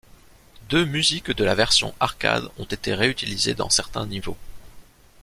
Deux musiques de la version arcade ont été réutilisées dans certains niveaux.